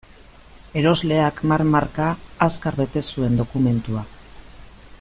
Erosleak marmarka, azkar bete zuen dokumentua.